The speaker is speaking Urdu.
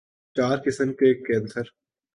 چار قسم کے کینسر